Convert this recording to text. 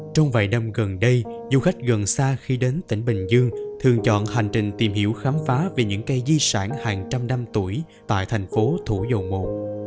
trong vài năm gần đây du khách gần xa khi đến tỉnh bình dương thường chọn hành trình tìm hiểu khám phá về những cây di sản hàng trăm năm tuổi tại thành phố thủ dầu một